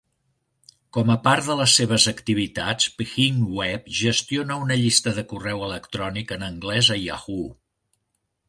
Com a part de les seves activitats, pHinnWeb gestiona una llista de correu electrònic en anglès a Yahoo!